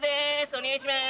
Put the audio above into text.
お願いします。